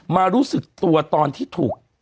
รู้สึกตัวตอนที่ถูก